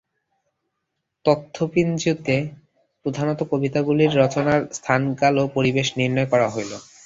তথ্যপঞ্জীতে প্রধানত কবিতাগুলির রচনার স্থান কাল ও পরিবেশ নির্ণয় করা হইল।